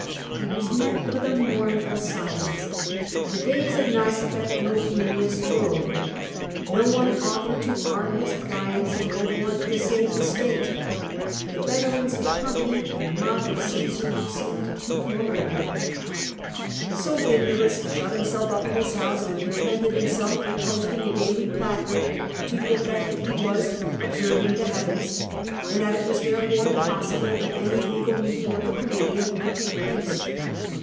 He was met with a mournful silence: the days of Fasica and Opimius were over; no one offered to arm his clients and go forth to save the state. Tlic veterans of Pompey and the mob of Oa\sar HC('med too formidable. CiESAR AND BIBULTJS So Bibulus shut himself up in his house, and contented himself with posting a daily placard, to the effect that he was observing the heavens," and that it was therefore impossible that any legal meeting of the Comitia could take place.